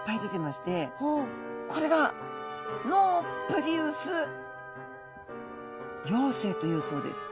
これがノープリウス幼生というそうです。